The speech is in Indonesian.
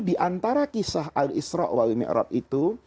diantara kisah al isra' wal mi'rab itu